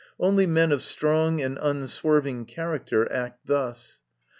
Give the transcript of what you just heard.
Only men of strong and unswerving character act thus.